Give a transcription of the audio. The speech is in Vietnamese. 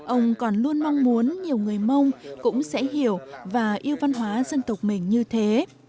ông còn luôn mong muốn nhiều người mông cũng sẽ hiểu và yêu văn hóa dân tộc mình như thế